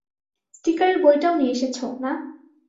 স্টিকারের বইটাও নিয়ে এসেছো, না?